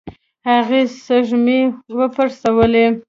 هغې سږمې وپړسولې.